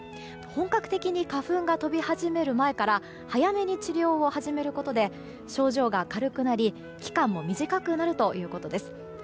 本格的に花粉が飛び始める前から早めに治療を始めることで症状が軽くなり期間も短くなるということです。